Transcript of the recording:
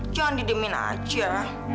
jangan didemin aja